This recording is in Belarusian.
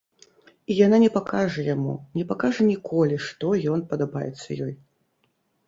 І яна не пакажа яму, не пакажа ніколі, што ён падабаецца ёй.